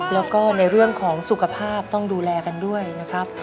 แล้วก็ในเรื่องของสุขภาพต้องดูแลกันด้วยนะครับ